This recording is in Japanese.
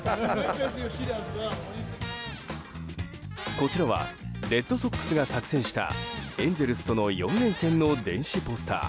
こちらはレッドソックスが作成したエンゼルスとの４連戦の電子ポスター。